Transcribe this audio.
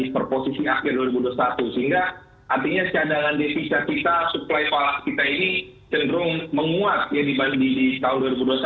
performance positif sepanjang minggu lalu